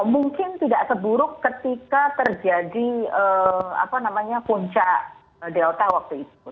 mungkin tidak seburuk ketika terjadi puncak delta waktu itu